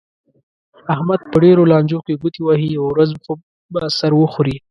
احمد په ډېرو لانجو کې ګوتې وهي، یوه ورځ خو به سر وخوري.